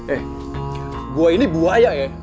eh gua ini buaya ya